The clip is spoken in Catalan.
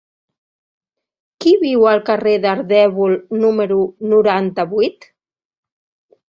Qui viu al carrer d'Ardèvol número noranta-vuit?